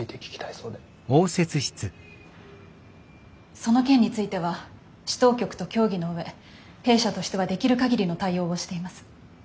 その件については市当局と協議の上弊社としてはできる限りの対応をしています。